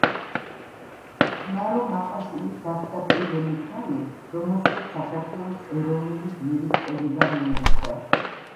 მარო მაყაშვილი გახდა პირველი ქალი, რომელსაც საქართველოს ეროვნული გმირის წოდება მიენიჭა.